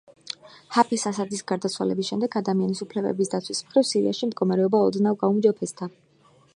ჰაფეზ ასადის გარდაცვალების შემდეგ ადამიანის უფლებების დაცვის მხრივ სირიაში მდგომარეობა ოდნავ გაუმჯობესდა.